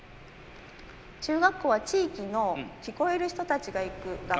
中学校は地域の聞こえる人たちが行く学校へ通いました。